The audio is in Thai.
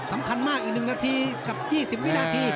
สำคัญมากอีก๑นาทีกับ๒๐วินาที